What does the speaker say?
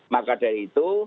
maka dari itu